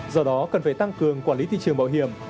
do đó cần phải tăng cường quản lý thị trường bảo hiểm